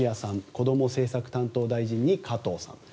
こども政策担当大臣に加藤さん。